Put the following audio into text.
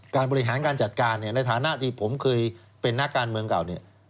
การบริหารการจัดการในฐานะที่ผมเคยเป็นนักการเมืองเก่าเนี่ย